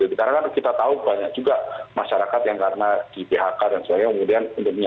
karena kita tahu banyak juga masyarakat yang karena di phk dan sebagainya